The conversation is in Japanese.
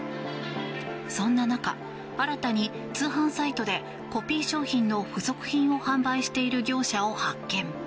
そんな中、新たに通販サイトでコピー商品の付属品を販売している業者を発見。